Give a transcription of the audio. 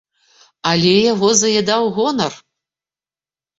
Але яго заядаў гонар.